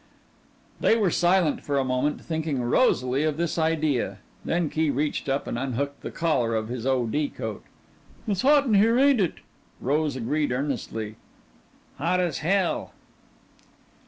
They were silent for a moment thinking rosily of this idea. Then Key reached up and unhooked the collar of his O. D. coat. "It's hot in here, ain't it?" Rose agreed earnestly. "Hot as hell."